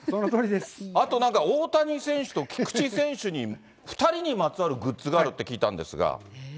あとなんか、大谷選手と菊池選手に、２人にまつわるグッズがあるって聞いたんですが。